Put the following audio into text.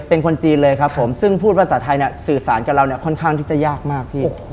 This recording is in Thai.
เป็นคนจีนเลยครับผมซึ่งพูดภาษาไทยเนี่ยสื่อสารกับเราเนี่ยค่อนข้างที่จะยากมากพี่